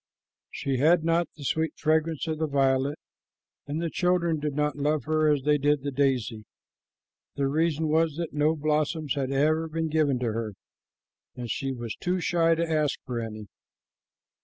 She had not the sweet fragrance of the violet, and the children did not love her as they did the daisy. The reason was that no blossoms had been given to her, and she was too shy to ask for any.